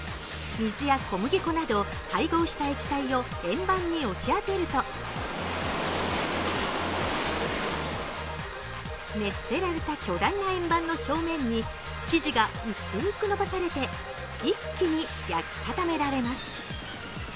水や小麦粉などを配合した液体を円盤に押し当てると、熱せられた巨大な円盤の表面に生地が薄く伸ばされて一気に焼き固められます。